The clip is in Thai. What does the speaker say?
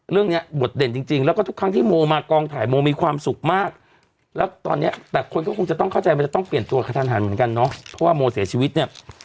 บทเด่นจริงแล้วก็ทุกครั้งที่โมมากองถ่ายโมมีความสุขมากแล้วตอนนี้แต่คนก็คงจะต้องเข้าใจมันจะต้องเปลี่ยนตัวกระทันหันเหมือนกันเนาะเพราะว่าโมเสียชีวิตเนี่ย